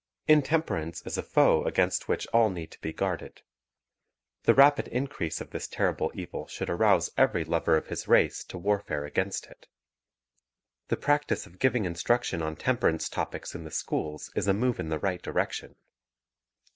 Intemperance is a foe against which all need to be guarded. The rapid increase of this terrible evil should arouse every lover of his race to warfare against it. The practise of giving instruction on temperance topics in the schools is a move in the right direction.